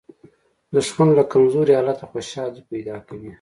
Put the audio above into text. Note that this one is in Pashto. دښمن له کمزوري حالته خوشالي پیدا کوي